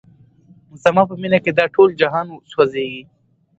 زما په مینه کي دا ټول جهان سوځیږي